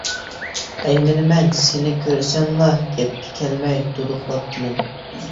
ئەيمىنىمەن سىنى كۆرسەملا، گەپكە كەلمەي دۇدۇقلاپ تىلىم.